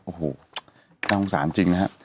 โอ้โหน่าสงสารจริงนะฮะ